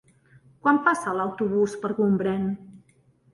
Quan passa l'autobús per Gombrèn?